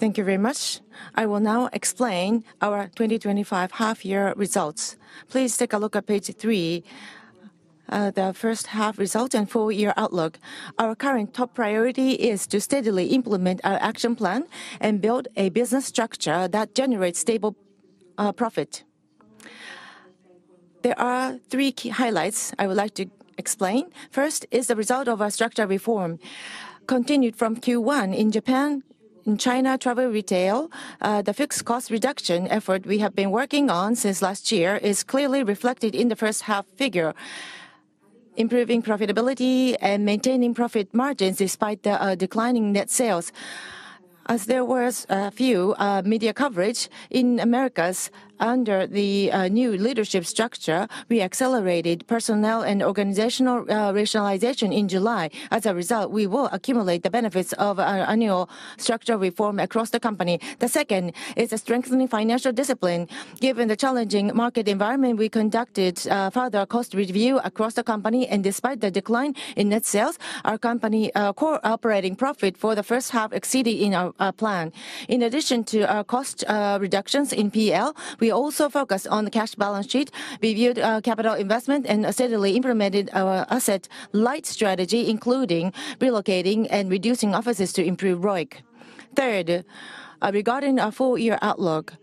Thank you very much. I will now explain our 2025 half-year results. Please take a look at page three, the first half results and full-year outlook. Our current top priority is to steadily implement our action plan and build a business structure that generates stable profit. There are three key highlights I would like to explain. First is the result of our structural reform continued from Q1 in Japan. In China travel retail, the fixed cost reduction effort we have been working on since last year is clearly reflected in the first half figure, improving profitability and maintaining profit margins despite declining net sales. As there was few media coverage in the Americas under the new leadership structure, we accelerated personnel and organizational rationalization in July. As a result, we will accumulate the benefits of our annual structural reform across the company. The second is a strengthening financial discipline. Given the challenging market environment, we conducted further cost review across the company, and despite the decline in net sales, our company's core operating profit for the first half exceeded our plan. In addition to our cost reductions in P&L, we also focused on the cash balance sheet, reviewed capital investment, and steadily implemented our asset-light strategy, including relocating and reducing offices to improve ROIC. Third, regarding our full-year outlook,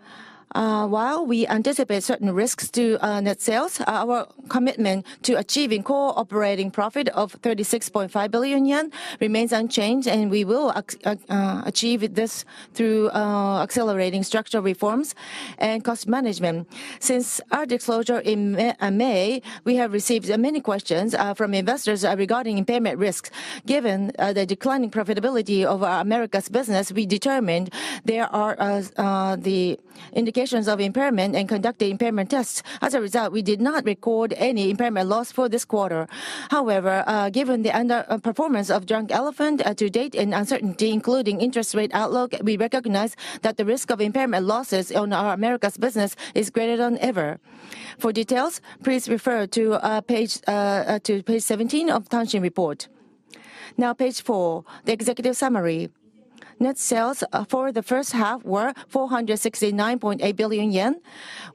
while we anticipate certain risks to net sales, our commitment to achieving core operating profit of ¥36.5 billion remains unchanged, and we will achieve this through accelerating structural reforms and cost management. Since our disclosure in May, we have received many questions from investors regarding impairment risk. Given the declining profitability of our Americas business, we determined there are indications of impairment and conducted impairment tests. As a result, we did not record any impairment loss for this quarter. However, given the underperformance of Drunk Elephant to date and uncertainty, including interest rate outlook, we recognize that the risk of impairment losses on our Americas business is greater than ever. For details, please refer to page 17 of the Tan Shin report. Now, page four, the executive summary. Net sales for the first half were 469.8 billion yen,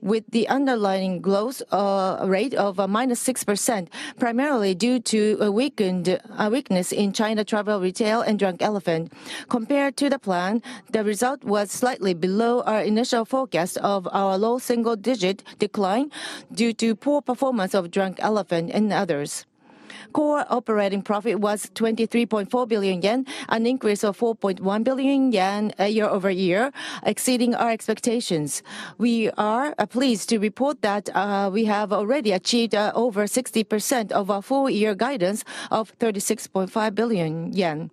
with the underlying growth rate of -6%, primarily due to a weakness in China travel retail and Drunk Elephant. Compared to the plan, the result was slightly below our initial forecast of our low single-digit decline due to poor performance of Drunk Elephant and others. Core operating profit was 23.4 billion yen, an increase of 4.1 billion yen year over year, exceeding our expectations. We are pleased to report that we have already achieved over 60% of our full-year guidance of 36.5 billion yen.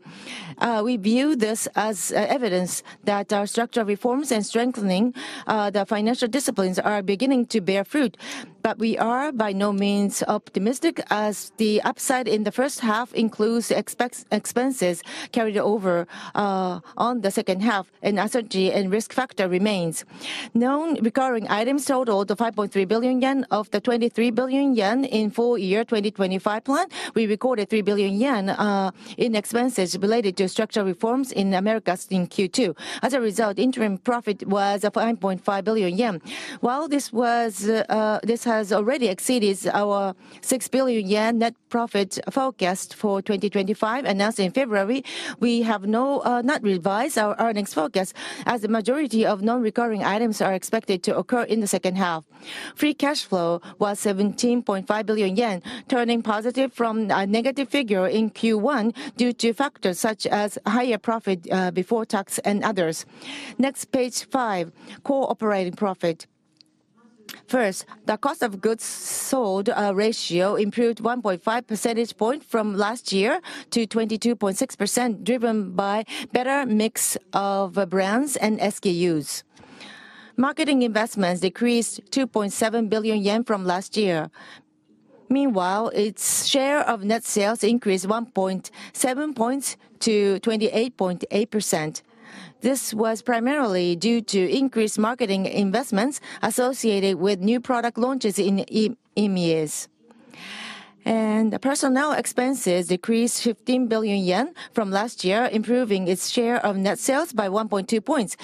We view this as evidence that our structural reforms and strengthening the financial disciplines are beginning to bear fruit, but we are by no means optimistic as the upside in the first half includes expenses carried over on the second half, and uncertainty and risk factor remain. Known recurring items totaled 5.3 billion yen of the 23 billion yen in the full-year 2025 plan. We recorded 3 billion yen in expenses related to structural reforms in the Americas in Q2. As a result, interim profit was 5.5 billion yen. While this has already exceeded our 6 billion yen net profit forecast for 2025, announced in February, we have not revised our earnings forecast as the majority of non-recurring items are expected to occur in the second half. Free cash flow was 17.5 billion yen, turning positive from a negative figure in Q1 due to factors such as higher profit before tax and others. Next, page five, core operating profit. First, the cost of goods sold ratio improved 1.5 percentage points from last year to 22.6%, driven by a better mix of brands and SKUs. Marketing investments decreased 2.7 billion yen from last year. Meanwhile, its share of net sales increased 1.7 points to 28.8%. This was primarily due to increased marketing investments associated with new product launches in EMEAS. Personnel expenses decreased 15 billion yen from last year, improving its share of net sales by 1.2 points.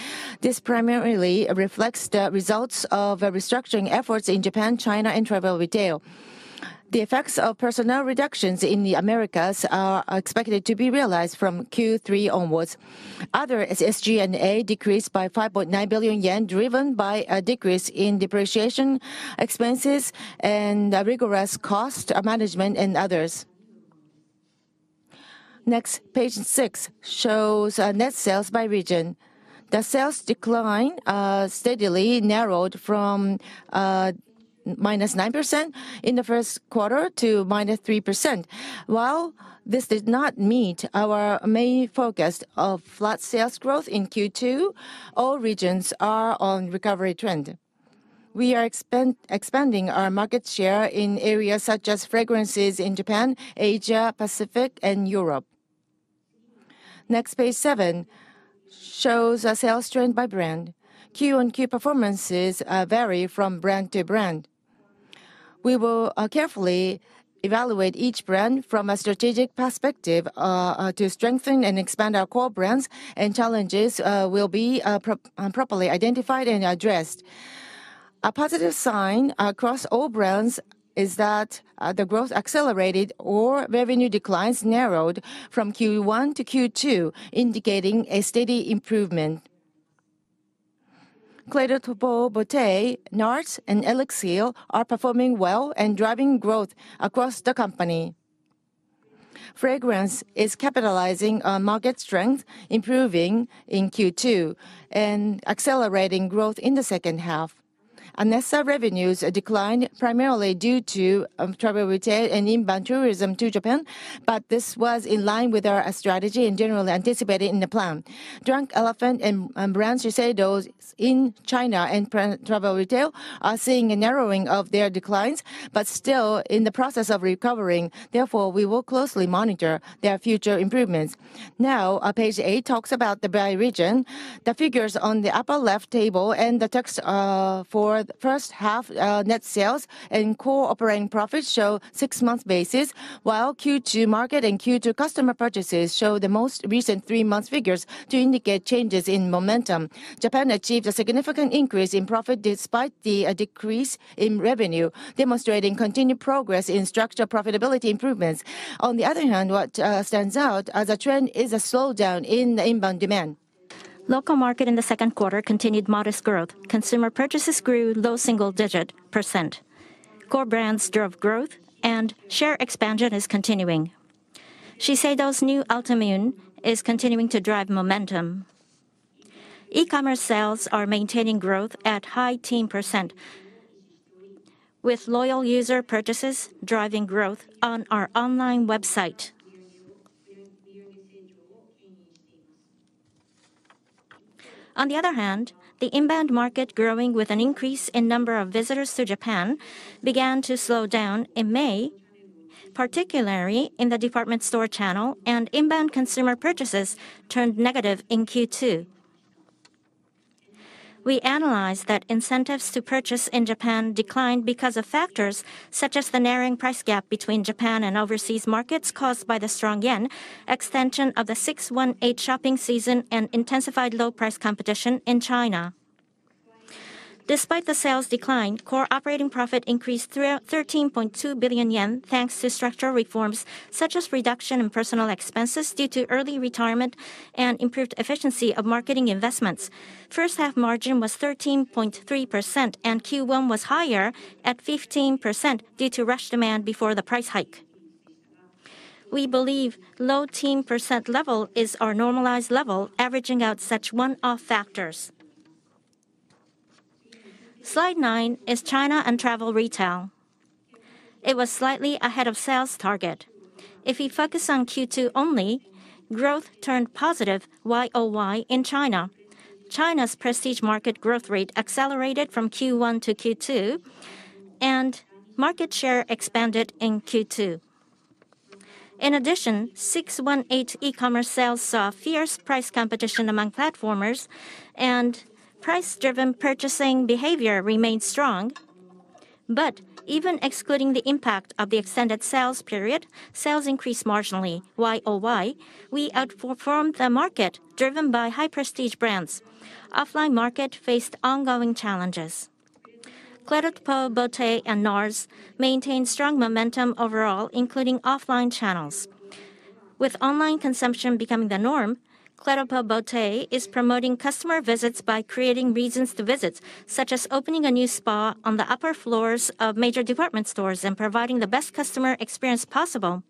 This primarily reflects the results of restructuring efforts in Japan, China, and travel retail. The effects of personnel reductions in the Americas are expected to be realized from Q3 onwards. Other SSG&A decreased by 5.9 billion yen, driven by a decrease in depreciation expenses and rigorous cost management and others. Next, page six shows net sales by region. The sales decline steadily narrowed from -9% in the first quarter to -3%. While this did not meet our main focus of flat sales growth in Q2, all regions are on a recovery trend. We are expanding our market share in areas such as fragrances in Japan, Asia, Pacific, and Europe. Next, page seven shows a sales trend by brand. Q1 Q performances vary from brand to brand. We will carefully evaluate each brand from a strategic perspective to strengthen and expand our core brands, and challenges will be properly identified and addressed. A positive sign across all brands is that the growth accelerated or revenue declines narrowed from Q1 to Q2, indicating a steady improvement. Clé de Peau Beauté, Nars, and Elixir are performing well and driving growth across the company. Fragrance is capitalizing on market strength, improving in Q2 and accelerating growth in the second half. Our revenues declined primarily due to travel retail and inbound tourism to Japan, but this was in line with our strategy and generally anticipated in the plan. Drunk Elephant and brands Shiseido in China and travel retail are seeing a narrowing of their declines, but still in the process of recovering. Therefore, we will closely monitor their future improvements. Now, page eight talks about the brand region. The figures on the upper left table and the text for the first half net sales and core operating profits show six-month basis, while Q2 market and Q2 customer purchases show the most recent three-month figures to indicate changes in momentum. Japan achieved a significant increase in profit despite the decrease in revenue, demonstrating continued progress in structural profitability improvements. On the other hand, what stands out as a trend is a slowdown in inbound demand. Local market in the second quarter continued modest growth. Consumer purchases grew low single-digit %. Core brands drove growth, and share expansion is continuing. Shiseido's new auto mune is continuing to drive momentum. E-commerce sales are maintaining growth at high teen %, with loyal user purchases driving growth on our online website. On the other hand, the inbound market growing with an increase in the number of visitors to Japan began to slow down in May, particularly in the department store channel, and inbound consumer purchases turned negative in Q2. We analyzed that incentives to purchase in Japan declined because of factors such as the narrowing price gap between Japan and overseas markets caused by the strong yen, extension of the 618 shopping season, and intensified low-price competition in China. Despite the sales decline, core operating profit increased 13.2 billion yen thanks to structural reforms such as reduction in personnel expenses due to early retirement and improved efficiency of marketing investments. First half margin was 13.3%, and Q1 was higher at 15% due to rush demand before the price hike. We believe the low teen % level is our normalized level, averaging out such one-off factors. Slide nine is China and travel retail. It was slightly ahead of sales target. If we focus on Q2 only, growth turned positive YOY in China. China's prestige market growth rate accelerated from Q1 to Q2, and market share expanded in Q2. In addition, 618 e-commerce sales saw fierce price competition among platformers, and price-driven purchasing behavior remained strong. Even excluding the impact of the extended sales period, sales increased marginally, YOY. We outperformed the market, driven by high-prestige brands. Offline market faced ongoing challenges. Clé de Peau Beauté and Nars maintained strong momentum overall, including offline channels. With online consumption becoming the norm, Clé de Peau Beauté is promoting customer visits by creating reasons to visit, such as opening a new spa on the upper floors of major department stores and providing the best customer experience possible.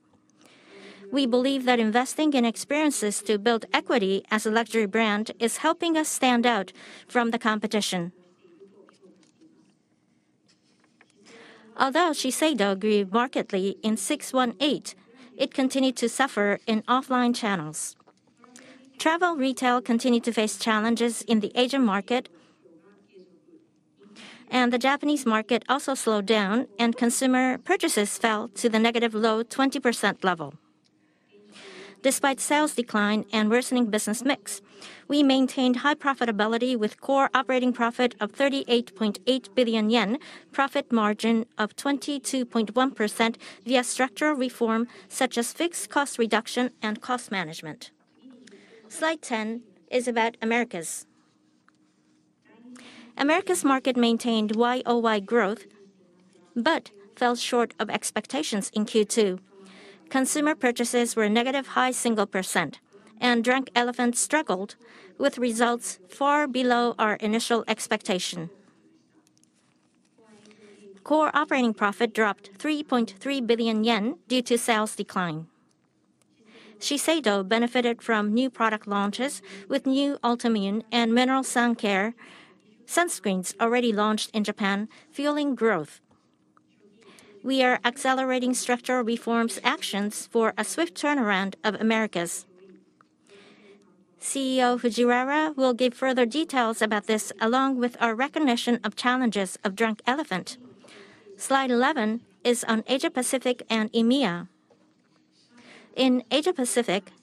We believe that investing in experiences to build equity as a luxury brand is helping us stand out from the competition. Although Shiseido grew markedly in 618, it continued to suffer in offline channels. Travel retail continued to face challenges in the Asian market, and the Japanese market also slowed down, and consumer purchases fell to the negative low 20% level. Despite sales decline and worsening business mix, we maintained high profitability with a core operating profit of ¥38.8 billion, profit margin of 22.1% via structural reforms such as fixed cost reduction and cost management. Slide ten is about Americas. Americas market maintained YOY growth but fell short of expectations in Q2. Consumer purchases were negative high single %, and Drunk Elephant struggled with results far below our initial expectation. Core operating profit dropped 3.3 billion yen due to sales decline. Shiseido benefited from new product launches with new auto immune and mineral sun care, sunscreens already launched in Japan, fueling growth. We are accelerating structural reforms actions for a swift turnaround of Americas. CEO Kentaro Fujiwara will give further details about this, along with our recognition of challenges of Drunk Elephant. Slide 11 is on Asia Pacific and EMEA. In Asia Pacific,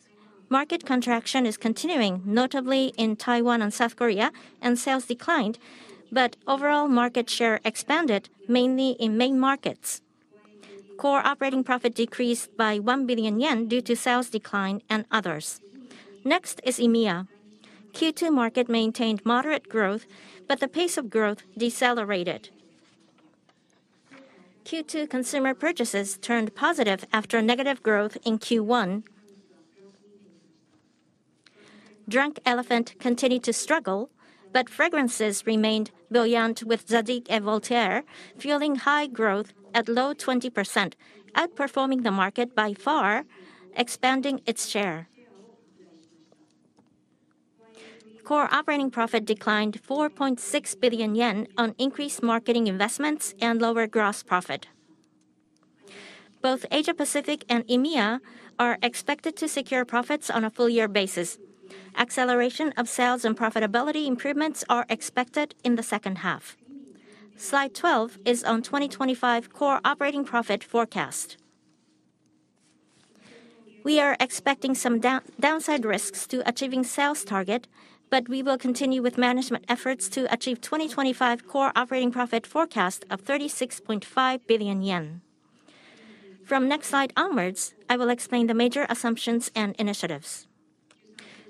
market contraction is continuing, notably in Taiwan and South Korea, and sales declined, but overall market share expanded, mainly in main markets. Core operating profit decreased by 1 billion yen due to sales decline and others. Next is EMEA. Q2 market maintained moderate growth, but the pace of growth decelerated. Q2 consumer purchases turned positive after negative growth in Q1. Drunk Elephant continued to struggle, but fragrances remained brilliant with Zadig and Voltaire, fueling high growth at low 20%, outperforming the market by far, expanding its share. Core operating profit declined 4.6 billion yen on increased marketing investments and lower gross profit. Both Asia Pacific and EMEA are expected to secure profits on a full-year basis. Acceleration of sales and profitability improvements are expected in the second half. Slide 12 is on 2025 core operating profit forecast. We are expecting some downside risks to achieving sales target, but we will continue with management efforts to achieve 2025 core operating profit forecast of 36.5 billion yen. From next slide onwards, I will explain the major assumptions and initiatives.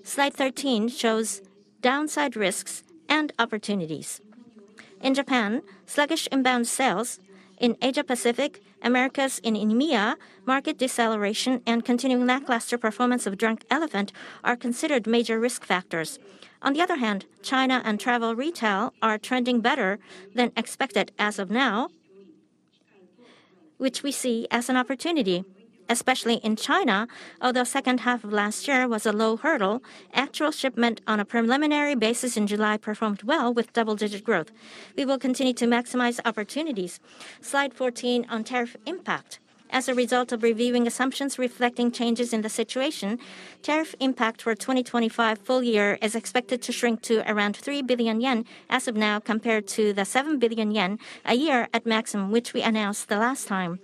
Slide 13 shows downside risks and opportunities. In Japan, sluggish inbound sales. In Asia Pacific, Americas, and EMEA, market deceleration and continuing lackluster performance of Drunk Elephant are considered major risk factors. On the other hand, China and travel retail are trending better than expected as of now, which we see as an opportunity, especially in China. Although the second half of last year was a low hurdle, actual shipment on a preliminary basis in July performed well with double-digit growth. We will continue to maximize opportunities. Slide 14 on tariff impact. As a result of reviewing assumptions reflecting changes in the situation, tariff impact for 2025 full year is expected to shrink to around 3 billion yen as of now compared to the 7 billion yen a year at maximum, which we announced the last time.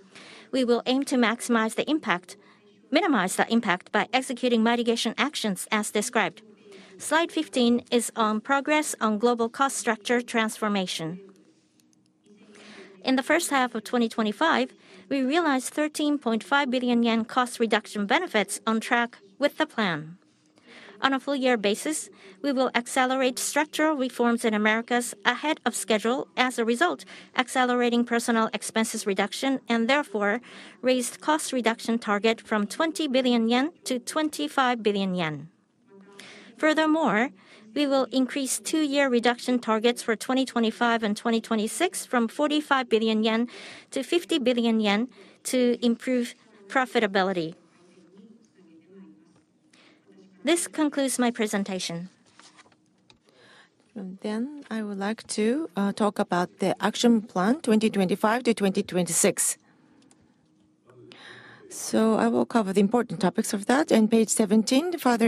We will aim to minimize the impact by executing mitigation actions as described. Slide 15 is on progress on global cost structure transformation. In the first half of 2025, we realized 13.5 billion yen cost reduction benefits on track with the plan. On a full-year basis, we will accelerate structural reforms in the Americas ahead of schedule. As a result, accelerating personnel expenses reduction and therefore raised cost reduction target from 20 billion yen to 25 billion yen. Furthermore, we will increase two-year reduction targets for 2025 and 2026 from 45 billion yen to 50 billion yen to improve profitability. This concludes my presentation. I would like to talk about the action plan 2025 to 2026. I will cover the important topics of that. On page 17, the further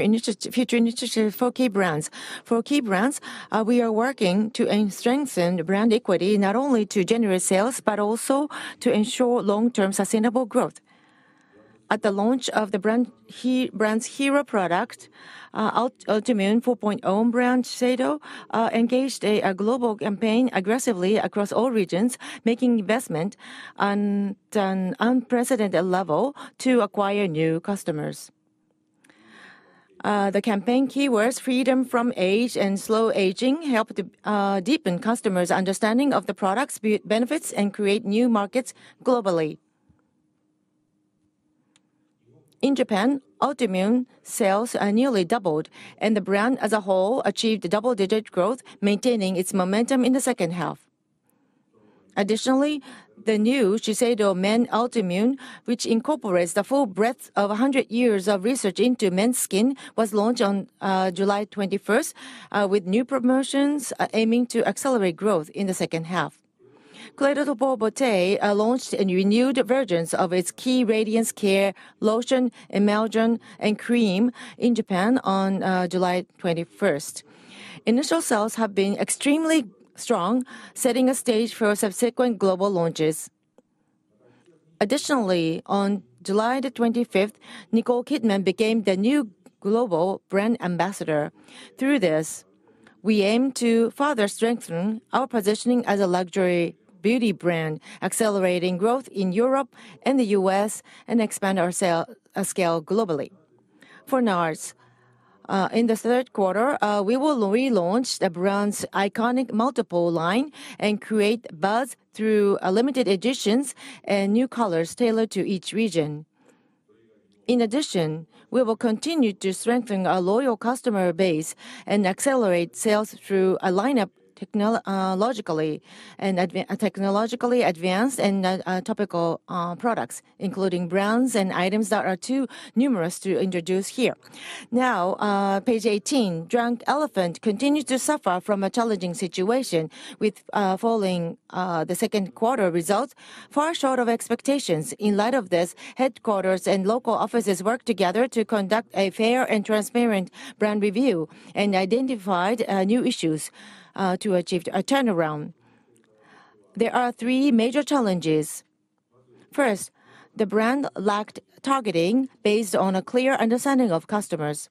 future initiative for key brands. For key brands, we are working to strengthen brand equity, not only to generate sales but also to ensure long-term sustainable growth. At the launch of the brand's hero product, Autoimmune 4.0, brand Shiseido engaged in a global campaign aggressively across all regions, making investment at an unprecedented level to acquire new customers. The campaign keywords "freedom from age" and "slow aging" helped deepen customers' understanding of the product's benefits and create new markets globally. In Japan, Autoimmune sales nearly doubled, and the brand as a whole achieved double-digit growth, maintaining its momentum in the second half. Additionally, the new Shiseido Men Autoimmune, which incorporates the full breadth of 100 years of research into men's skin, was launched on July 21, with new promotions aiming to accelerate growth in the second half. Clé de Peau Beauté launched a renewed version of its key radiance care lotion, emulsion, and cream in Japan on July 21. Initial sales have been extremely strong, setting a stage for subsequent global launches. Additionally, on July 25, Nicole Kidman became the new global brand ambassador. Through this, we aim to further strengthen our positioning as a luxury beauty brand, accelerating growth in Europe and the U.S., and expand our scale globally. For Nars, in the third quarter, we will relaunch the brand's iconic multiple line and create buzz through limited editions and new colors tailored to each region. In addition, we will continue to strengthen our loyal customer base and accelerate sales through a lineup of technologically advanced and topical products, including brands and items that are too numerous to introduce here. Now, page 18, Drunk Elephant continues to suffer from a challenging situation, with the second quarter results falling far short of expectations. In light of this, headquarters and local offices worked together to conduct a fair and transparent brand review and identified new issues to achieve a turnaround. There are three major challenges. First, the brand lacked targeting based on a clear understanding of customers.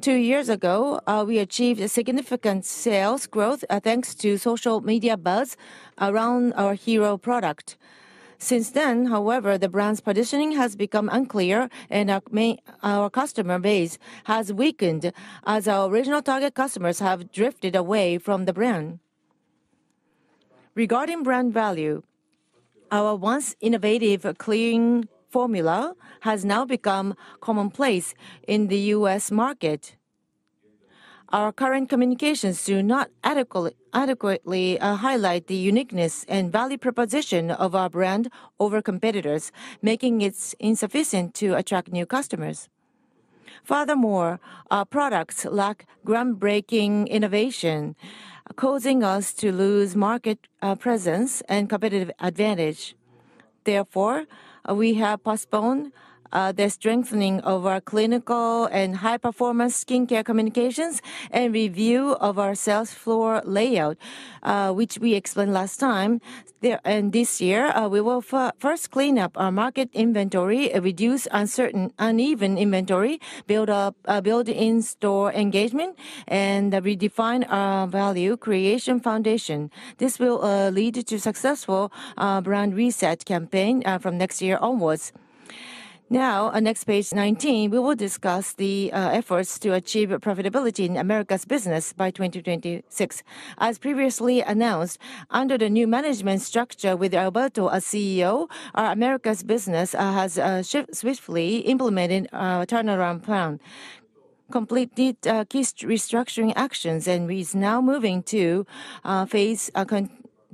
Two years ago, we achieved significant sales growth thanks to social media buzz around our hero product. Since then, however, the brand's positioning has become unclear, and our customer base has weakened as our original target customers have drifted away from the brand. Regarding brand value, our once innovative clean formula has now become commonplace in the U.S. market. Our current communications do not adequately highlight the uniqueness and value proposition of our brand over competitors, making it insufficient to attract new customers. Furthermore, our products lack groundbreaking innovation, causing us to lose market presence and competitive advantage. Therefore, we have postponed the strengthening of our clinical and high-performance skincare communications and review of our sales floor layout, which we explained last time. This year, we will first clean up our market inventory, reduce uneven inventory, build in-store engagement, and redefine our value creation foundation. This will lead to a successful brand reset campaign from next year onwards. Now, on next page 19, we will discuss the efforts to achieve profitability in Americas business by 2026. As previously announced, under the new management structure with Alberto as CEO, our Americas business has swiftly implemented a turnaround plan, completed key restructuring actions, and is now moving to phase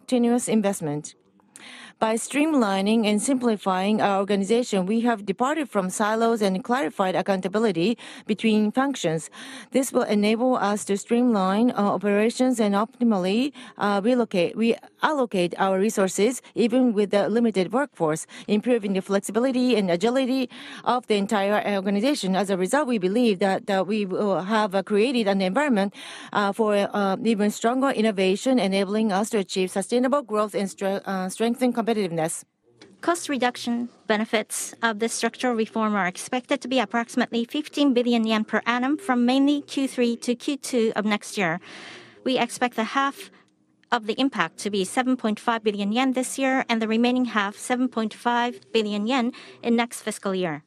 continuous investment. By streamlining and simplifying our organization, we have departed from silos and clarified accountability between functions. This will enable us to streamline our operations and optimally allocate our resources, even with a limited workforce, improving the flexibility and agility of the entire organization. As a result, we believe that we will have created an environment for even stronger innovation, enabling us to achieve sustainable growth and strengthen competitiveness. Cost reduction benefits of this structural reform are expected to be approximately 15 billion yen per annum from mainly Q3 to Q2 of next year. We expect half of the impact to be 7.5 billion yen this year and the remaining half, 7.5 billion yen, in next fiscal year.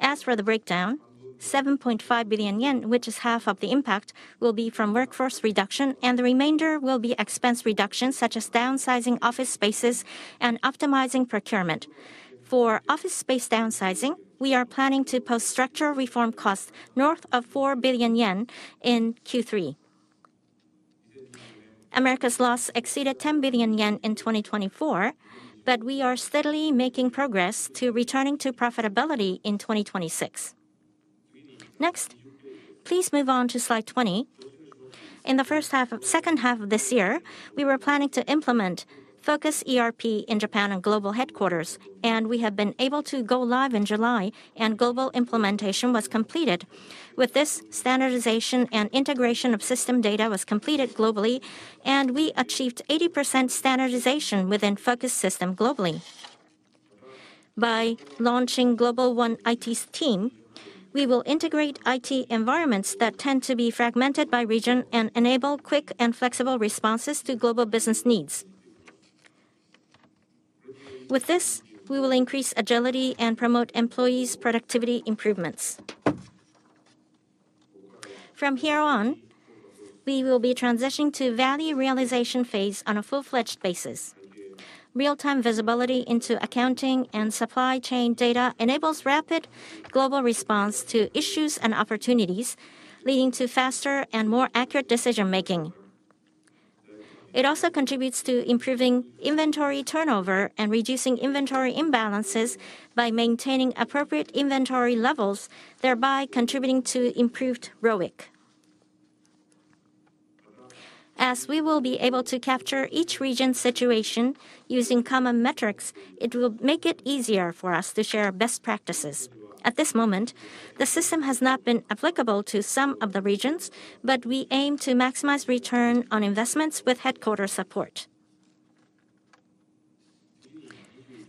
As for the breakdown, 7.5 billion yen, which is half of the impact, will be from workforce reduction, and the remainder will be expense reductions, such as downsizing office spaces and optimizing procurement. For office space downsizing, we are planning to post structural reform costs north of 4 billion yen in Q3. Americas' loss exceeded 10 billion yen in 2024, but we are steadily making progress to returning to profitability in 2026. Next, please move on to slide 20. In the first half of the second half of this year, we were planning to implement focused ERP in Japan and global headquarters, and we have been able to go live in July, and global implementation was completed. With this, standardization and integration of system data was completed globally, and we achieved 80% standardization within focused system globally. By launching Global One IT Team, we will integrate IT environments that tend to be fragmented by region and enable quick and flexible responses to global business needs. With this, we will increase agility and promote employees' productivity improvements. From here on, we will be transitioning to value realization phase on a full-fledged basis. Real-time visibility into accounting and supply chain data enables rapid global response to issues and opportunities, leading to faster and more accurate decision-making. It also contributes to improving inventory turnover and reducing inventory imbalances by maintaining appropriate inventory levels, thereby contributing to improved ROIC. As we will be able to capture each region's situation using common metrics, it will make it easier for us to share best practices. At this moment, the system has not been applicable to some of the regions, but we aim to maximize return on investments with headquarter support.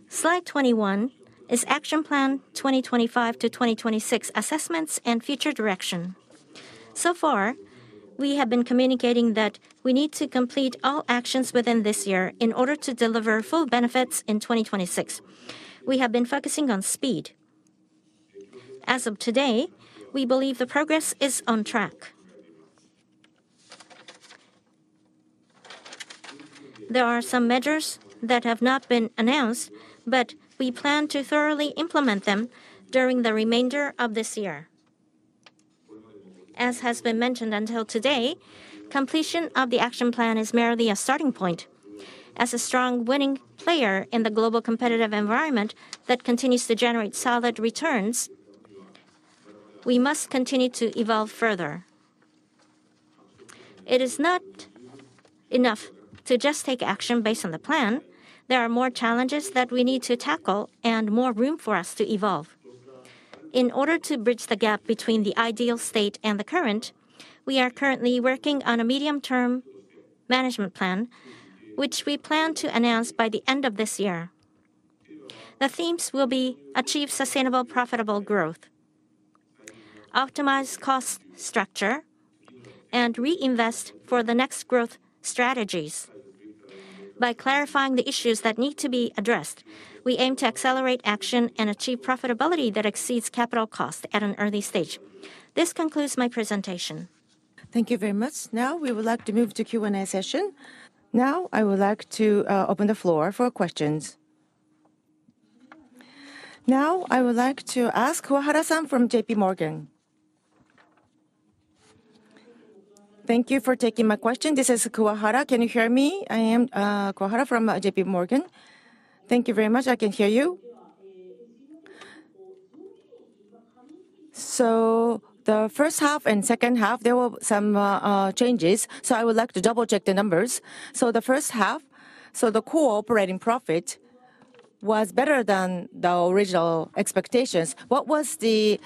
Slide 21 is action plan 2025 to 2026 assessments and future direction. So far, we have been communicating that we need to complete all actions within this year in order to deliver full benefits in 2026. We have been focusing on speed. As of today, we believe the progress is on track. There are some measures that have not been announced, but we plan to thoroughly implement them during the remainder of this year. As has been mentioned until today, completion of the action plan is merely a starting point. As a strong winning player in the global competitive environment that continues to generate solid returns, we must continue to evolve further. It is not enough to just take action based on the plan. There are more challenges that we need to tackle and more room for us to evolve. In order to bridge the gap between the ideal state and the current, we are currently working on a medium-term management plan, which we plan to announce by the end of this year. The themes will be: achieve sustainable profitable growth, optimize cost structure, and reinvest for the next growth strategies. By clarifying the issues that need to be addressed, we aim to accelerate action and achieve profitability that exceeds capital cost at an early stage. This concludes my presentation. Thank you very much. Now we would like to move to the Q&A session. Now I would like to open the floor for questions. Now I would like to ask Kuwahara from JPMorgan. Thank you for taking my question. This is Kuwahara. Can you hear me? I am Kuwahara from JPMorgan. Thank you very much. I can hear you. The first half and second half, there were some changes. I would like to double-check the numbers. The first half, the core operating profit was better than the original expectations. What was the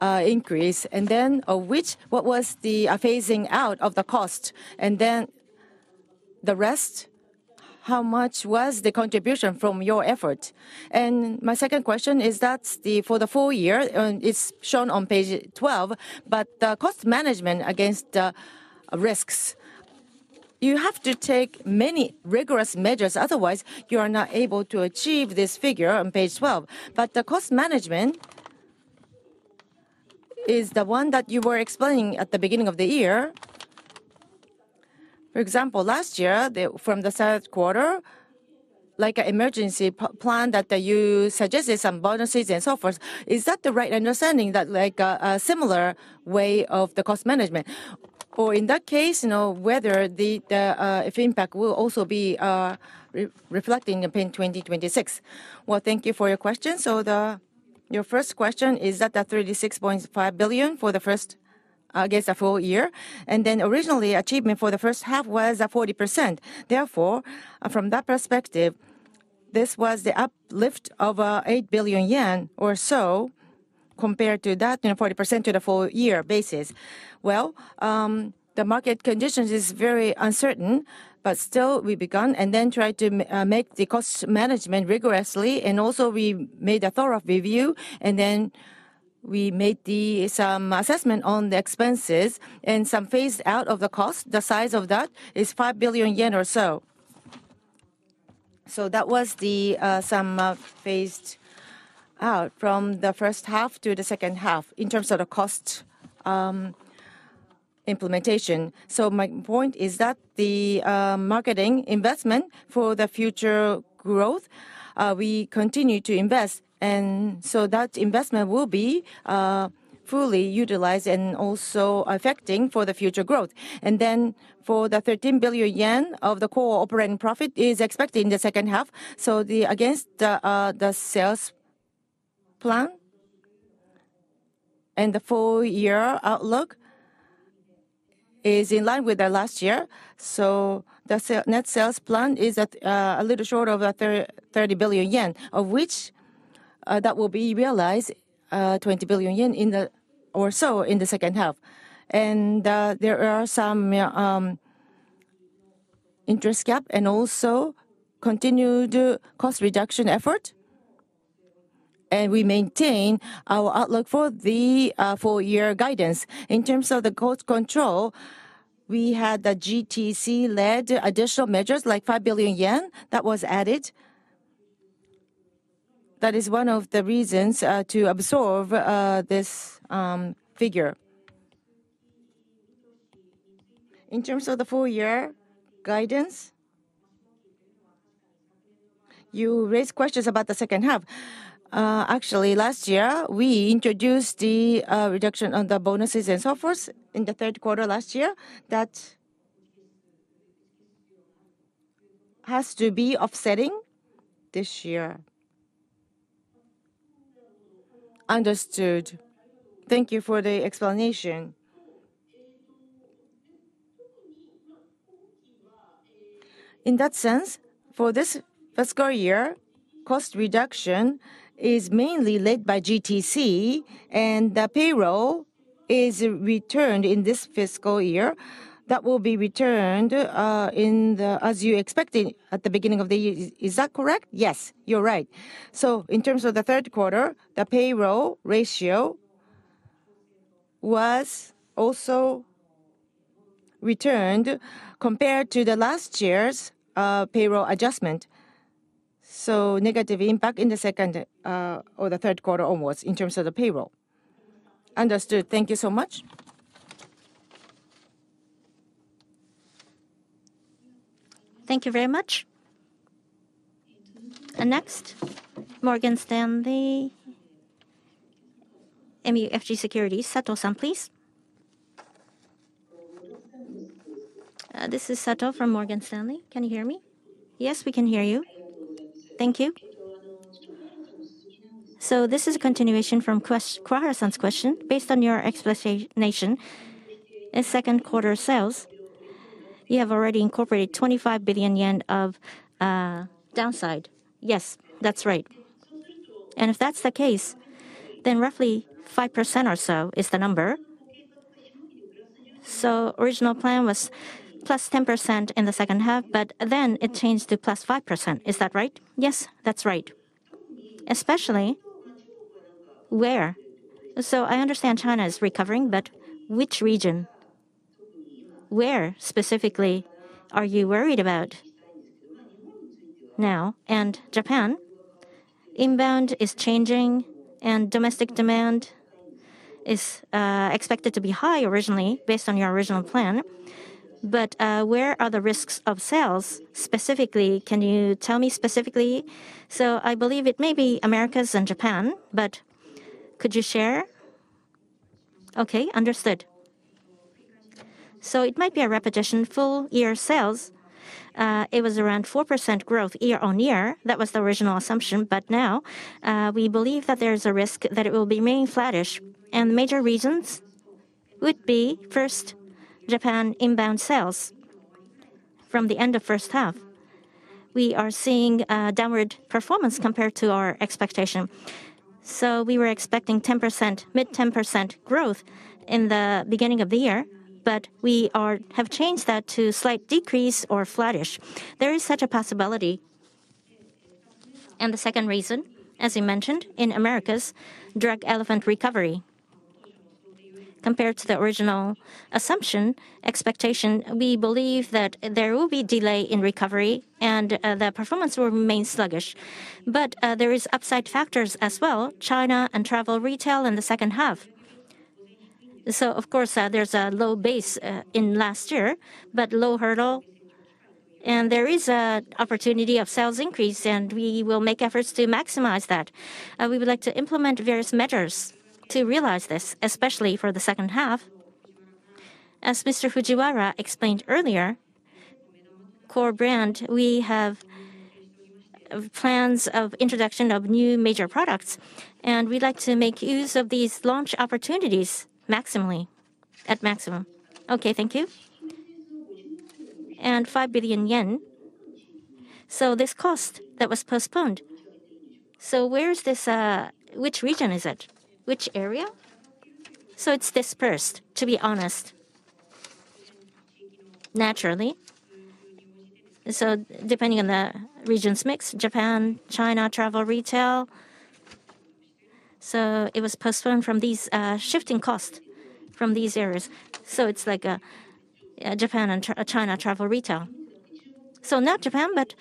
increase? What was the phasing out of the cost? The rest, how much was the contribution from your effort? My second question is that for the full year, it's shown on page 12, but the cost management against the risks. You have to take many rigorous measures, otherwise, you are not able to achieve this figure on page 12. The cost management is the one that you were explaining at the beginning of the year. For example, last year, from the third quarter, like an emergency plan that you suggested, some bonuses and so forth. Is that the right understanding, that like a similar way of the cost management? In that case, you know whether the impact will also be reflecting in FY2026? Thank you for your question. Your first question is that the 36.5 billion for the first, I guess, the full year. Originally, achievement for the first half was 40%. Therefore, from that perspective, this was the uplift of 8 billion yen or so compared to that 40% to the full year basis. The market conditions are very uncertain, but still we began and tried to make the cost management rigorously. We made a thorough review, and then we made some assessment on the expenses and some phased out of the cost. The size of that is 5 billion yen or so. That was some phased out from the first half to the second half in terms of the cost implementation. My point is that the marketing investment for the future growth, we continue to invest, and that investment will be fully utilized and also affecting for the future growth. For the 13 billion yen of the core operating profit is expected in the second half. Against the sales plan and the full year outlook is in line with last year. The net sales plan is a little short of 30 billion yen, of which that will be realized 20 billion yen or so in the second half. There are some interest gaps and also continued cost reduction efforts. We maintain our outlook for the full year guidance. In terms of the growth control, we had the GTC-led additional measures like 5 billion yen that were added. That is one of the reasons to absorb this figure. In terms of the full year guidance, you raised questions about the second half. Actually, last year we introduced the reduction on the bonuses and so forth in the third quarter last year. That has to be offsetting this year. Understood. Thank you for the explanation. In that sense, for this fiscal year, cost reduction is mainly led by GTC, and the payroll is returned in this fiscal year. That will be returned as you expected at the beginning of the year. Is that correct? Yes, you're right. In terms of the third quarter, the payroll ratio was also returned compared to last year's payroll adjustment. Negative impact in the second or the third quarter onwards in terms of the payroll. Understood. Thank you so much. Thank you very much. Next, Morgan Stanley MUFG Securities, Sato-san, please. This is Sato from Morgan Stanley MUFG Securities. Can you hear me? Yes, we can hear you. Thank you. This is a continuation from Kuwahara's question. Based on your explanation, in second quarter sales, you have already incorporated 25 billion yen of downside. Yes, that's right. If that's the case, then roughly 5% or so is the number. The original plan was plus 10% in the second half, but then it changed to plus 5%. Is that right? Yes, that's right. Especially where? I understand China is recovering, but which region? Where specifically are you worried about now? Japan? Inbound is changing, and domestic demand is expected to be high originally based on your original plan. Where are the risks of sales specifically? Can you tell me specifically? I believe it may be Americas and Japan, but could you share? Okay, understood. It might be a repetition. Full year sales, it was around 4% growth year on year. That was the original assumption. Now we believe that there is a risk that it will be remaining flattish. The major reasons would be, first, Japan inbound sales from the end of the first half. We are seeing downward performance compared to our expectation. We were expecting 10%, mid-10% growth in the beginning of the year, but we have changed that to a slight decrease or flattish. There is such a possibility. The second reason, as you mentioned, in Americas, Drunk Elephant recovery. Compared to the original assumption expectation, we believe that there will be a delay in recovery, and the performance will remain sluggish. There are upside factors as well, China and travel retail in the second half. Of course, there's a low base in last year, but low hurdle. There is an opportunity of sales increase, and we will make efforts to maximize that. We would like to implement various measures to realize this, especially for the second half. As Mr. Fujiwara explained earlier, core brand, we have plans of introduction of new major products, and we'd like to make use of these launch opportunities maximally, at maximum. Okay, thank you. 5 billion yen. This cost that was postponed. Where is this? Which region is it? Which area? It's dispersed, to be honest. Naturally. Depending on the region's mix, Japan, China, travel retail. It was postponed from these, shifting costs from these areas. It's like a Japan and China travel retail. Not Japan, but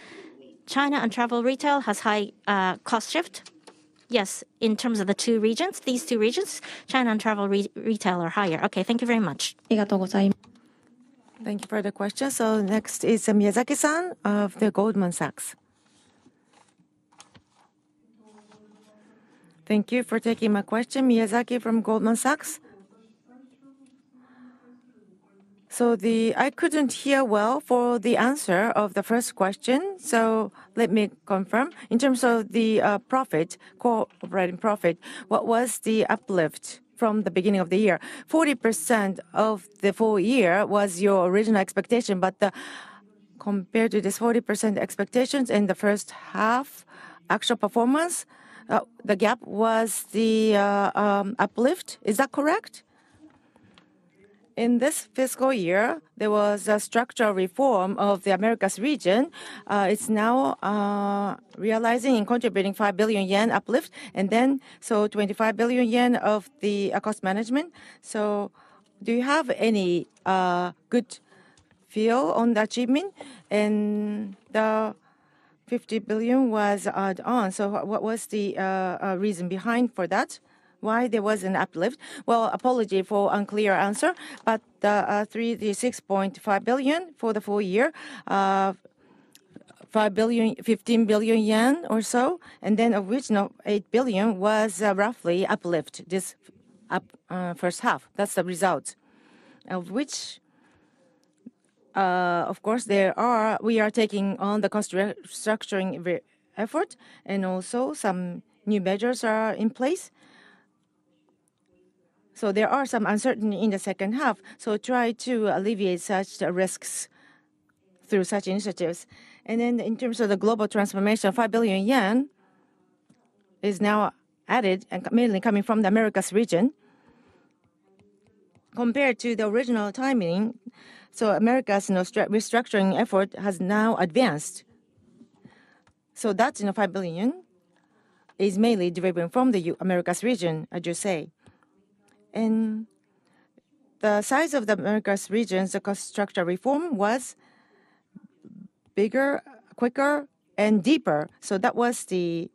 China and travel retail has a high cost shift. Yes, in terms of the two regions, these two regions, China and travel retail are higher. Okay, thank you very much. Thank you for the question. Next is Miyazaki-san of Goldman Sachs. Thank you for taking my question, Miyazaki from Goldman Sachs. I couldn't hear well for the answer of the first question. Let me confirm. In terms of the profit, core operating profit, what was the uplift from the beginning of the year? 40% of the full year was your original expectation, but compared to this 40% expectation in the first half, actual performance, the gap was the uplift. Is that correct? In this fiscal year, there was a structural reform of the Americas region. It's now realizing and contributing 5 billion yen uplift, and then 25 billion yen of the cost management. Do you have any good feel on the achievement? The 50 billion was added on. What was the reason behind that? Why was there an uplift? Apology for unclear answer, but the 36.5 billion for the full year, 5 billion, 15 billion yen or so, and then original 8 billion was roughly uplift this first half. That's the result. Of which, of course, we are taking on the cost structuring effort, and also some new measures are in place. There are some uncertainties in the second half. We try to alleviate such risks through such initiatives. In terms of the global transformation, 5 billion yen is now added and mainly coming from the Americas region. Compared to the original timing, the Americas restructuring effort has now advanced. That 5 billion is mainly deriving from the Americas region, as you say. The size of the Americas region, the cost structure reform was bigger, quicker, and deeper. That was the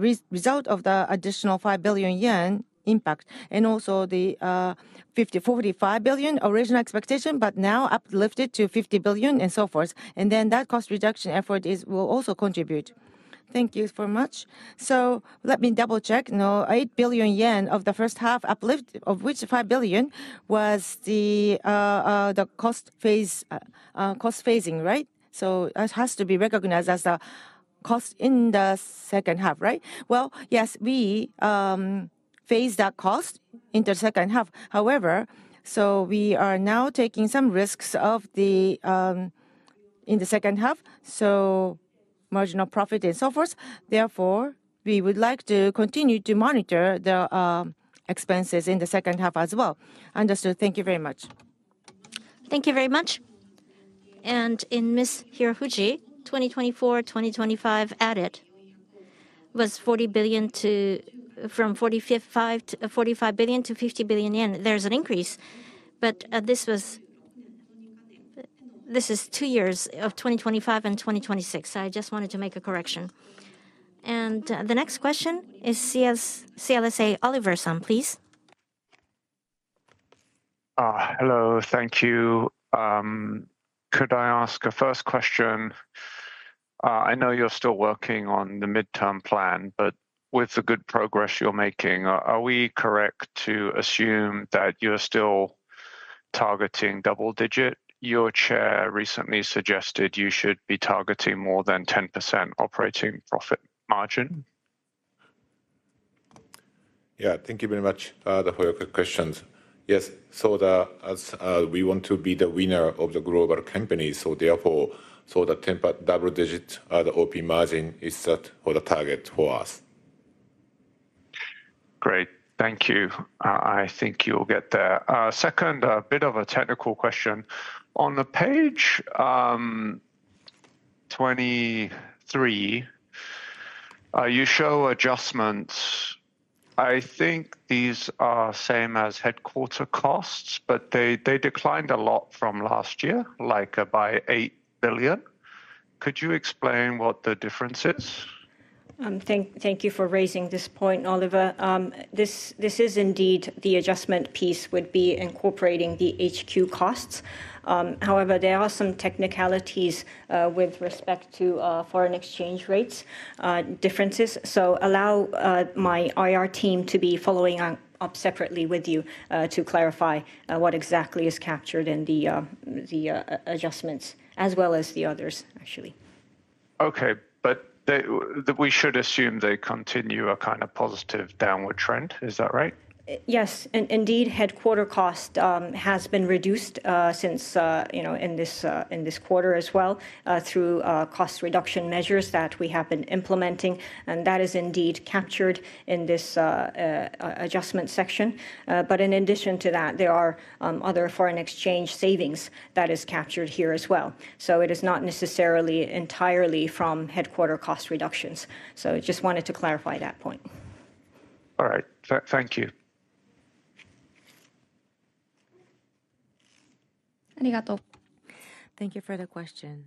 result of the additional 5 billion yen impact. Also, the 50 billion, 45 billion original expectation, but now uplifted to 50 billion and so forth. That cost reduction effort will also contribute. Thank you so much. Let me double-check. No, 8 billion yen of the first half uplift, of which 5 billion was the cost phasing, right? It has to be recognized as a cost in the second half, right? Yes, we phased that cost into the second half. However, we are now taking some risks in the second half. Marginal profit and so forth. Therefore, we would like to continue to monitor the expenses in the second half as well. Understood. Thank you very much. Thank you very much. In Ms. Hirofuji, 2024, 2025 added was 40 billion from 45 billion to 50 billion yen. There's an increase. This is two years of 2025 and 2026. I just wanted to make a correction. The next question is CLSA Limited, Oliver James Gray Matthew-san, please. Hello. Thank you. Could I ask a first question? I know you're still working on the medium-term management plan, but with the good progress you're making, are we correct to assume that you're still targeting double-digit? Your Chair recently suggested you should be targeting more than 10% operating profit margin. Thank you very much for your questions. As we want to be the winner of the global company, the 10% double-digit OP margin is set for the target for us. Great. Thank you. I think you'll get there. Second, a bit of a technical question. On page 23, you show adjustments. I think these are the same as headquarter costs, but they declined a lot from last year, like by 8 billion. Could you explain what the difference is? Thank you for raising this point, Oliver. This is indeed the adjustment piece, would be incorporating the HQ costs. However, there are some technicalities with respect to foreign exchange rates differences. Allow my IR team to be following up separately with you to clarify what exactly is captured in the adjustments, as well as the others, actually. Okay. We should assume they continue a kind of positive downward trend. Is that right? Yes. Indeed, headquarter cost has been reduced in this quarter as well through cost reduction measures that we have been implementing. That is indeed captured in this adjustment section. In addition to that, there are other foreign exchange savings that are captured here as well. It is not necessarily entirely from headquarter cost reductions. I just wanted to clarify that point. All right. Thank you. Thank you for the question.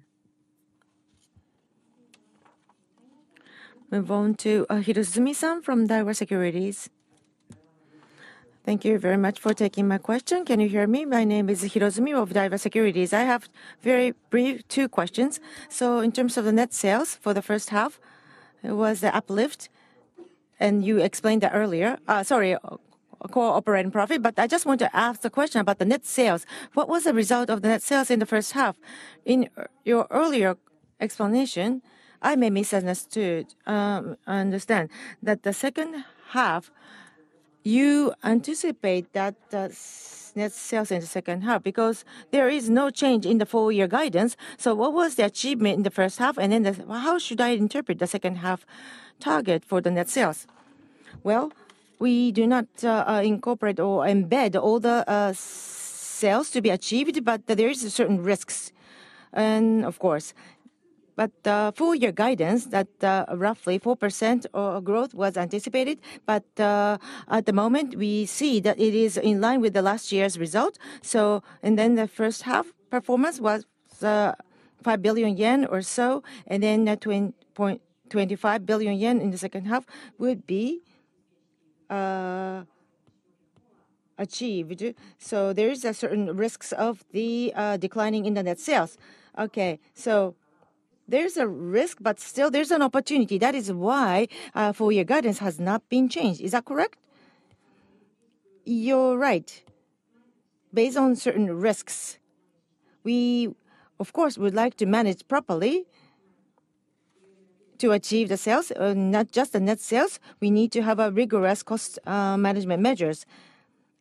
Move on to Hirozumi-san from Daiwa Securities. Thank you very much for taking my question. Can you hear me? My name is Katsuro Hirozumi of Daiwa Securities. I have very brief two questions. In terms of the net sales for the first half, it was the uplift, and you explained that earlier. Sorry, core operating profit, but I just want to ask a question about the net sales. What was the result of the net sales in the first half? In your earlier explanation, I may misunderstood. I understand that the second half, you anticipate that the net sales in the second half because there is no change in the full-year guidance. What was the achievement in the first half? How should I interpret the second half target for the net sales? We do not incorporate or embed all the sales to be achieved, but there are certain risks. Of course, the full-year guidance, that roughly 4% growth was anticipated. At the moment, we see that it is in line with last year's result. The first half performance was 5 billion yen or so. Then 2.25 billion yen in the second half would be achieved. There are certain risks of the declining in the net sales. Okay. There is a risk, but still there's an opportunity. That is why full-year guidance has not been changed. Is that correct? You're right. Based on certain risks, we, of course, would like to manage properly to achieve the sales, not just the net sales. We need to have rigorous cost management measures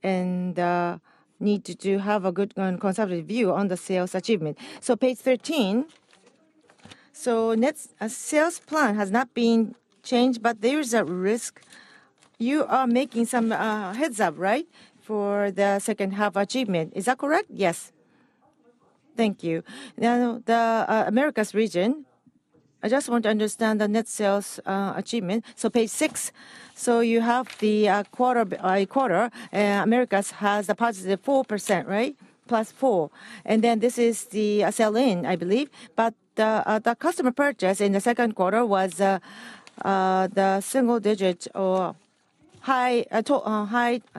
and need to have a good and conservative view on the sales achievement. Page 13. A sales plan has not been changed, but there is a risk. You are making some heads up, right, for the second half achievement. Is that correct? Yes. Thank you. Now, the Americas region, I just want to understand the net sales achievement. Page six. You have the quarter by quarter. Americas has a positive 4%, right? Plus 4%. This is the sell-in, I believe. The customer purchase in the second quarter was the single digit or high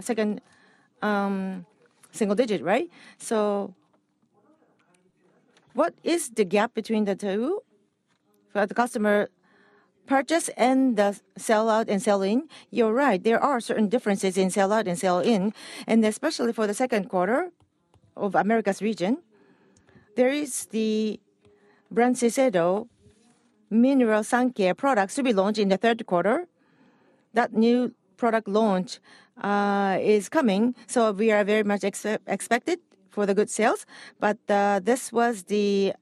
second single digit, right? What is the gap between the two, the customer purchase and the sell-out and sell-in? You're right. There are certain differences in sell-out and sell-in. Especially for the second quarter of the Americas region, there is the brand Shiseido mineral sun care products to be launched in the third quarter. That new product launch is coming. We are very much expected for the good sales. This was the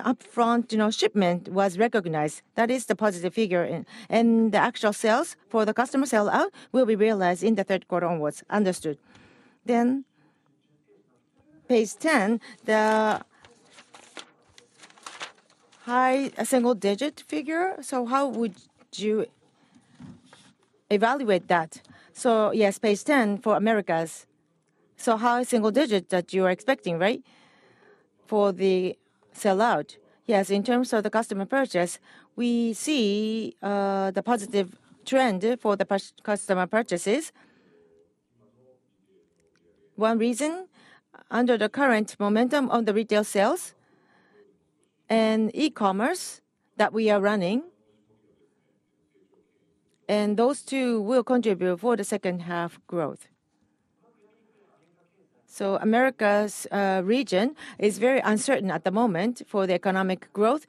upfront shipment was recognized. That is the positive figure. The actual sales for the customer sell-out will be realized in the third quarter onwards. Understood. Page 10, the high single digit figure. How would you evaluate that? Yes, page 10 for Americas. High single digit that you are expecting, right? For the sell-out. Yes, in terms of the customer purchase, we see the positive trend for the customer purchases. One reason, under the current momentum on the retail sales and e-commerce that we are running. Those two will contribute for the second half growth. The Americas region is very uncertain at the moment for the economic growth.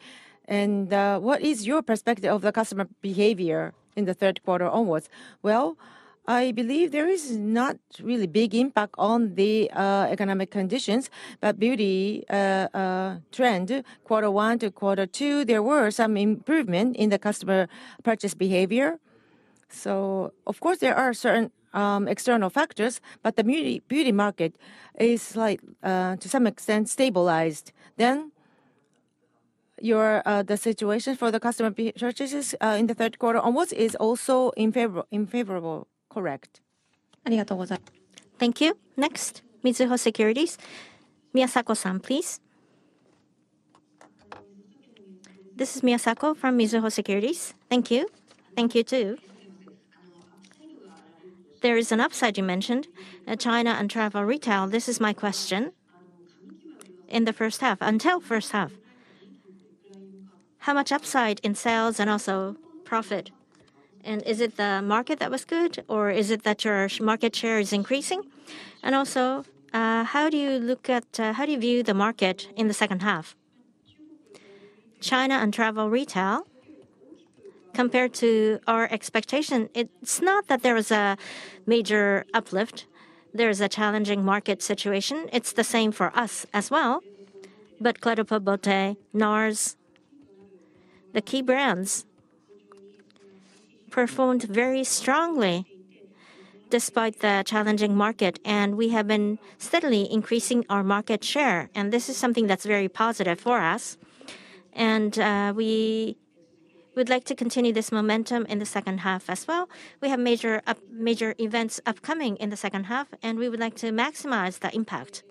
What is your perspective of the customer behavior in the third quarter onwards? I believe there is not really a big impact on the economic conditions. The beauty trend, quarter one to quarter two, there were some improvements in the customer purchase behavior. Of course, there are certain external factors, but the beauty market is, to some extent, stabilized. The situation for the customer purchases in the third quarter onwards is also in favorable, correct? Thank you. Next, Mizuho Securities. Mitsuko Miyasako, please. This is Mitsuko Miyasako from Mizuho Securities. Thank you. Thank you too. There is an upside you mentioned, China and travel retail. This is my question. In the first half, until the first half, how much upside in sales and also profit? Is it the market that was good, or is it that your market share is increasing? Also, how do you look at, how do you view the market in the second half? China and travel retail, compared to our expectation, it's not that there is a major uplift. There is a challenging market situation. It's the same for us as well. Clé de Peau Beauté, Nars, the key brands performed very strongly despite the challenging market. We have been steadily increasing our market share. This is something that's very positive for us. We would like to continue this momentum in the second half as well. We have major events upcoming in the second half, and we would like to maximize the impact.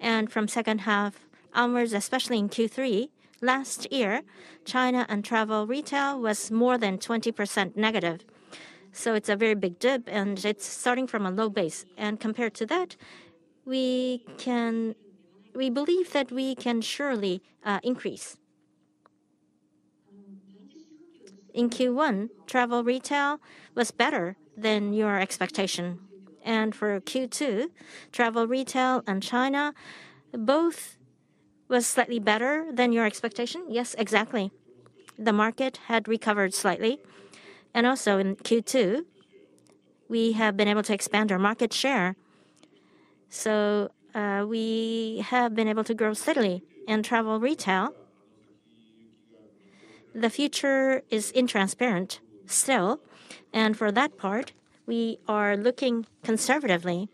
From the second half onwards, especially in Q3, last year, China and travel retail was more than 20% negative. It's a very big dip, and it's starting from a low base. Compared to that, we believe that we can surely increase. In Q1, travel retail was better than your expectation. For Q2, travel retail and China both were slightly better than your expectation. Yes, exactly. The market had recovered slightly. Also in Q2, we have been able to expand our market share. We have been able to grow steadily. Travel retail, the future is intransparent still. For that part, we are looking conservatively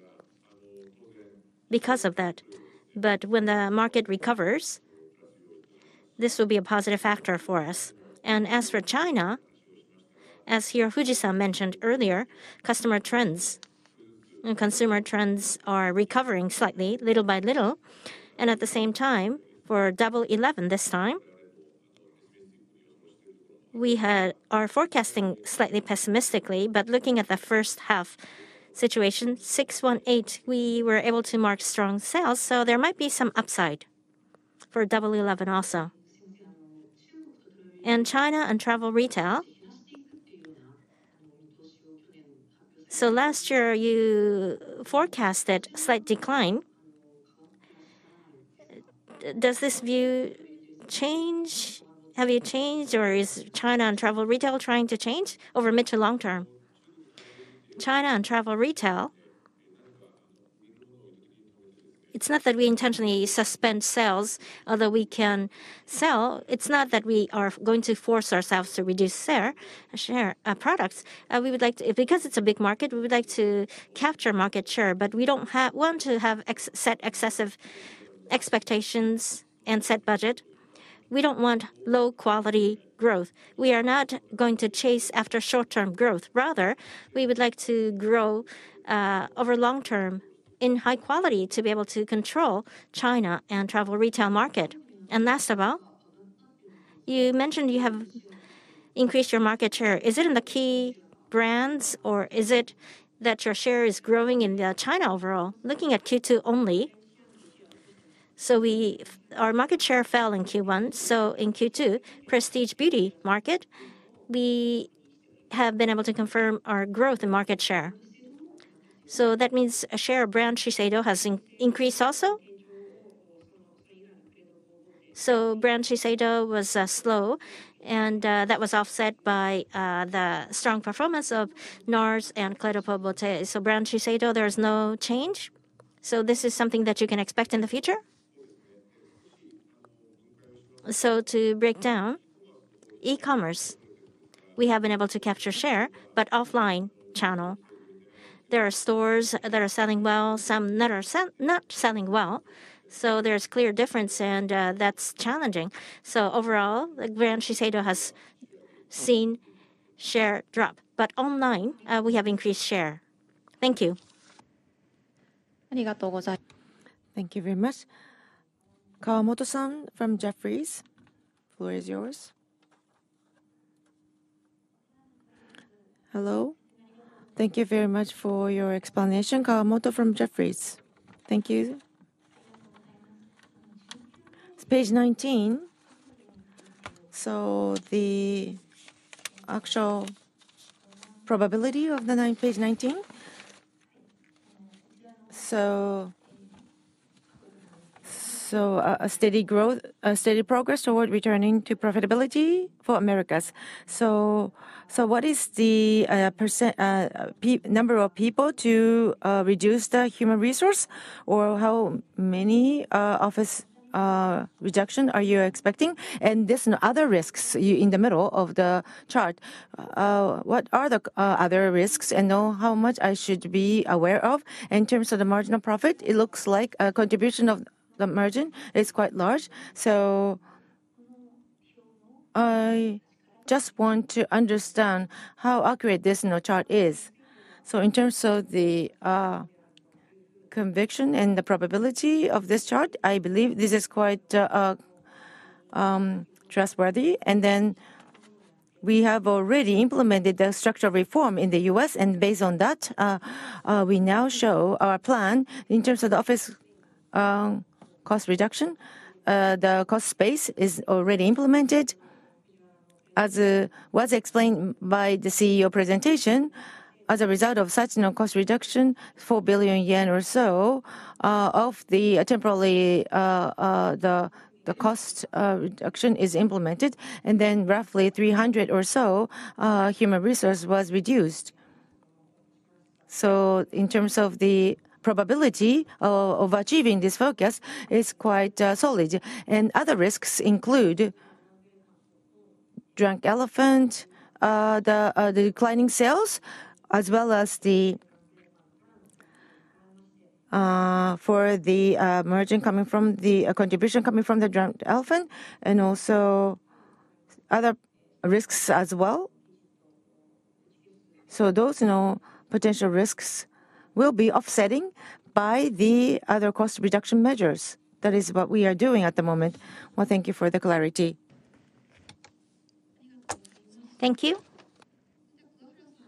because of that. When the market recovers, this will be a positive factor for us. As for China, as Ayako Hirofuji mentioned earlier, customer trends and consumer trends are recovering slightly, little by little. At the same time, for Double 11 this time, we are forecasting slightly pessimistically, but looking at the first half situation, 618, we were able to mark strong sales. There might be some upside for Double 11 also. China and travel retail. Last year, you forecasted a slight decline. Does this view change? Have you changed, or is China and travel retail trying to change over mid to long term? China and travel retail, it's not that we intentionally suspend sales, although we can sell. It's not that we are going to force ourselves to reduce our products. We would like to, because it's a big market, we would like to capture market share, but we don't want to have set excessive expectations and set budget. We don't want low-quality growth. We are not going to chase after short-term growth. Rather, we would like to grow over long term in high quality to be able to control China and travel retail market. Last of all, you mentioned you have increased your market share. Is it in the key brands, or is it that your share is growing in China overall? Looking at Q2 only, our market share fell in Q1. In Q2, prestige beauty market, we have been able to confirm our growth in market share. That means a share of Brand Shiseido has increased also. Brand Shiseido was slow, and that was offset by the strong performance of Nars and Clé de Peau Beauté. Brand Shiseido, there is no change. This is something that you can expect in the future. To break down, e-commerce, we have been able to capture share, but offline channel, there are stores that are selling well, some that are not selling well. There is a clear difference, and that's challenging. Overall, the Brand Shiseido has seen share drop. Online, we have increased share. Thank you. Thank you very much. Kawamoto-san from Jefferies, floor is yours. Hello. Thank you very much for your explanation, Kawamoto from Jefferies. Thank you. It's page 19. The actual probability of the nine page 19, a steady growth, a steady progress toward returning to profitability for Americas. What is the number of people to reduce the human resource, or how many office reductions are you expecting? There are other risks in the middle of the chart. What are the other risks and know how much I should be aware of? In terms of the marginal profit, it looks like a contribution of the margin is quite large. I just want to understand how accurate this chart is. In terms of the conviction and the probability of this chart, I believe this is quite trustworthy. We have already implemented the structural reform in the U.S. Based on that, we now show our plan in terms of the office cost reduction. The cost base is already implemented. As was explained by the CEO presentation, as a result of such cost reduction, 4 billion yen or so of the temporarily the cost reduction is implemented. Roughly 300 or so human resources were reduced. In terms of the probability of achieving this focus, it's quite solid. Other risks include Drunk Elephant, the declining sales, as well as for the margin coming from the contribution coming from the Drunk Elephant, and also other risks as well. Those potential risks will be offsetting by the other cost reduction measures. That is what we are doing at the moment. Thank you for the clarity. Thank you.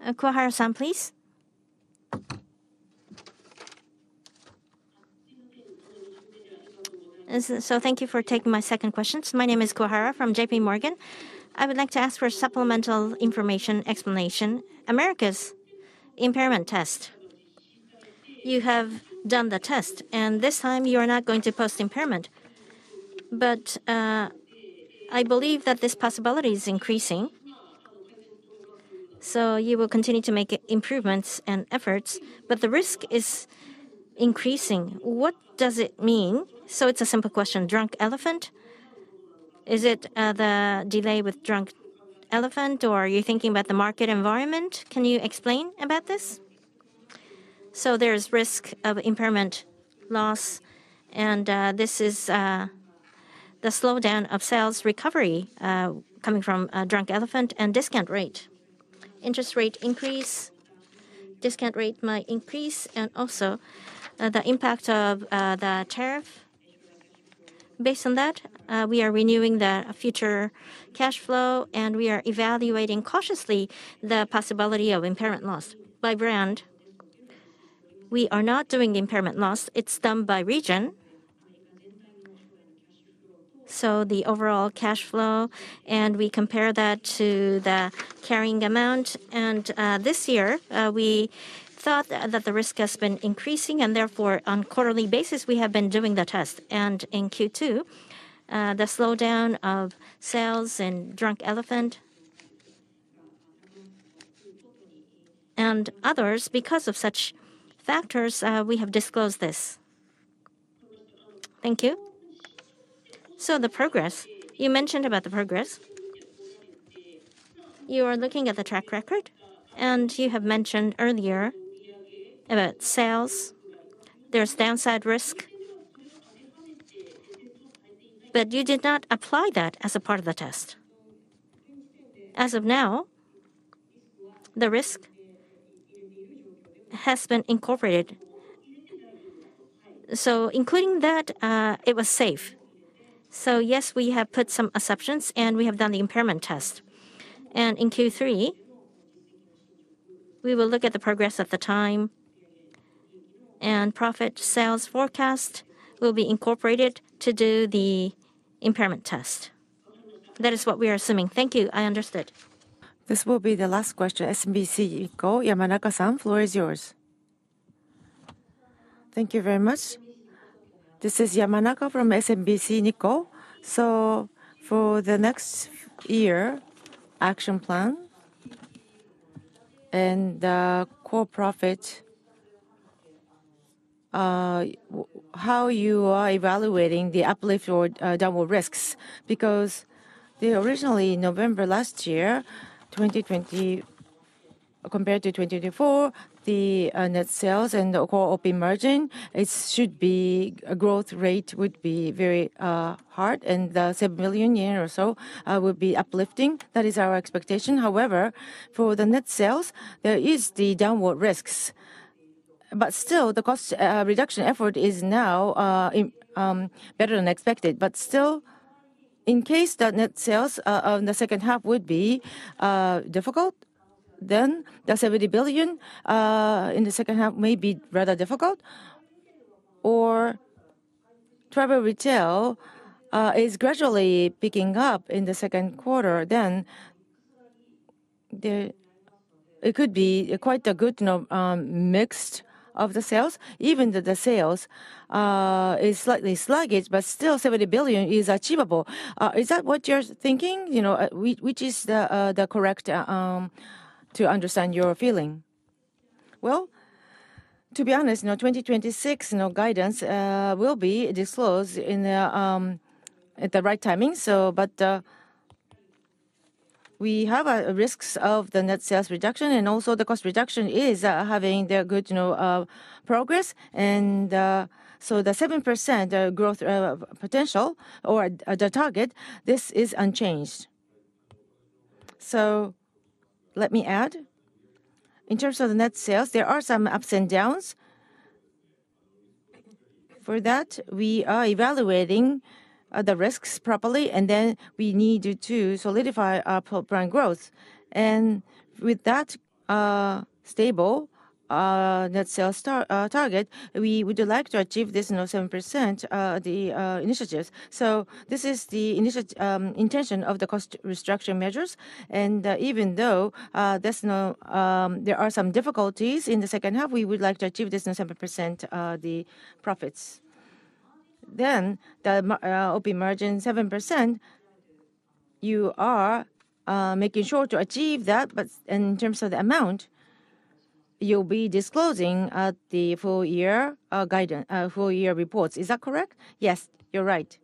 Kuwahara-san, please. Thank you for taking my second question. My name is Akiko Kuwahara from JP Morgan. I would like to ask for a supplemental information explanation. Americas impairment test. You have done the test, and this time you are not going to post impairment. I believe that this possibility is increasing. You will continue to make improvements and efforts, but the risk is increasing. What does it mean? It's a simple question. Drunk Elephant, is it the delay with Drunk Elephant, or are you thinking about the market environment? Can you explain about this? There is risk of impairment loss, and this is the slowdown of sales recovery coming from Drunk Elephant and discount rate. Interest rate increase, discount rate might increase, and also the impact of the tariff. Based on that, we are renewing the future cash flow, and we are evaluating cautiously the possibility of impairment loss. By brand, we are not doing impairment loss. It's done by region. The overall cash flow, and we compare that to the carrying amount. This year, we thought that the risk has been increasing, and therefore, on a quarterly basis, we have been doing the test. In Q2, the slowdown of sales and Drunk Elephant and others, because of such factors, we have disclosed this. Thank you. The progress, you mentioned about the progress. You are looking at the track record, and you have mentioned earlier about sales. There's downside risk, but you did not apply that as a part of the test. As of now, the risk has been incorporated. Including that, it was safe. Yes, we have put some assumptions, and we have done the impairment test. In Q3, we will look at the progress of the time, and profit sales forecast will be incorporated to do the impairment test. That is what we are assuming. Thank you. I understood. This will be the last question. SMBC Nikko, Yamanaka-san, floor is yours. Thank you very much. This is Yamanaka from SMBC Nikko. For the next year action plan and core profit, how you are evaluating the uplift or double risks? Because originally in November last year, 2020, compared to 2024, the net sales and the core OP margin, it should be a growth rate would be very hard, and the 7 billion yen or so would be uplifting. That is our expectation. However, for the net sales, there are the downward risks. Still, the cost reduction effort is now better than expected. Still, in case the net sales in the second half would be difficult, the 70 billion in the second half may be rather difficult. Travel retail is gradually picking up in the second quarter, then it could be quite a good mix of the sales, even though the sales are slightly sluggish. Still, 70 billion is achievable. Is that what you're thinking? Which is the correct to understand your feeling? To be honest, 2026 guidance will be disclosed at the right timing. We have risks of the net sales reduction, and also the cost reduction is having good progress. The 7% growth potential or the target, this is unchanged. Let me add, in terms of the net sales, there are some ups and downs. For that, we are evaluating the risks properly, and then we need to solidify our brand growth. With that stable net sales target, we would like to achieve this 7% of the initiatives. This is the intention of the cost restructuring measures. Even though there are some difficulties in the second half, we would like to achieve this 7% of the profits. The OP margin 7%, you are making sure to achieve that. In terms of the amount, you'll be disclosing the full-year reports. Is that correct? Yes, you're right.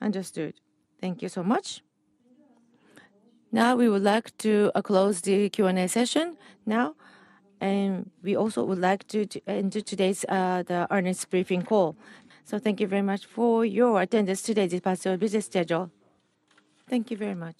Understood. Thank you so much. Now we would like to close the Q&A session now. We also would like to end today's earnings briefing call. Thank you very much for your attendance today to pass through a busy schedule. Thank you very much.